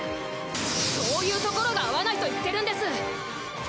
そういうところが合わないと言ってるんです。